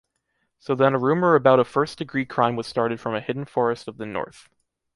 So then a rumor about a first-degree crime was started from a hidden forest of the north.